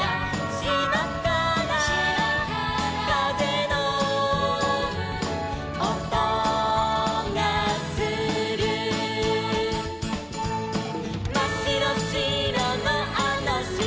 「しまからかぜのおとがする」「まっしろしろのあのしまで」